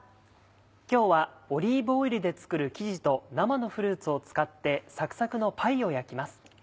今日はオリーブオイルで作る生地と生のフルーツを使ってサクサクのパイを焼きます。